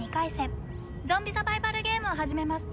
ゾンビサバイバルゲームを始めます。